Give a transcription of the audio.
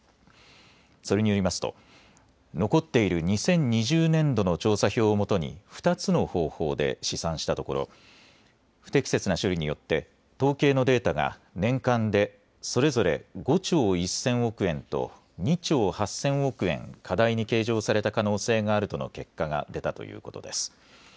それによりますと、残っている２０２０年度の調査票をもとに、２つの方法で試算したところ、不適切な処理によって、統計のデータが年間でそれぞれ５兆１０００億円と２兆８０００億円過大に計上された可能性があるとの結果が出たということです。